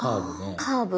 カーブ。